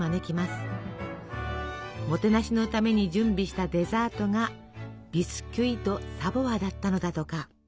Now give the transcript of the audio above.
もてなしのために準備したデザートがビスキュイ・ド・サヴォワだったのだとか。